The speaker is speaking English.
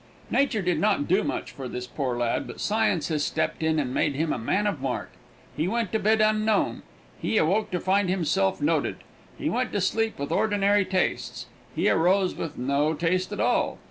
Nature did not do much for this poor lad, but science has stepped in and made him a man of mark. He went to bed unknown. He awoke to find himself noted. He went to sleep with ordinary tastes. He arose with no taste at all.